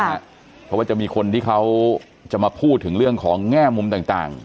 เพราะว่าจะมีคนที่เขาจะมาพูดถึงเรื่องของแง่มุมต่าง